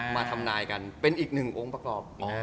มาทำนายกันเป็นอีกหนึ่งองค์ประกอบ